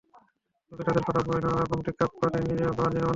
লোকে তাদের পড়া বইয়ে নানা রকম টীকাটিপ্পনি লেখে, মার্জিনে মন্তব্য লেখে।